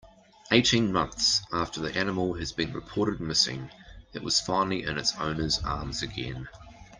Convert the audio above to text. Eighteen months after the animal has been reported missing it was finally in its owner's arms again.